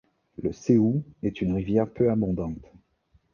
Le Céou est une rivière peu abondante.